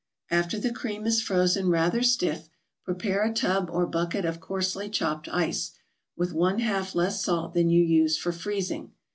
After the cream is frozen rather stiff, prepare a tub or bucket of coarsely chopped ice, with one half less salt than you use for freezing.